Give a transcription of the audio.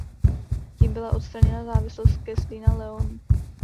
Tím byla odstraněna závislost Kastilie na Leónu.